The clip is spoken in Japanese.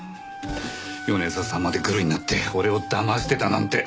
米沢さんまでグルになって俺をだましてたなんて。